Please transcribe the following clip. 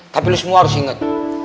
tapi lo semua harus inget